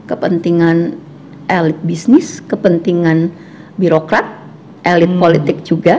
kepentingan elit bisnis kepentingan birokrat elit politik juga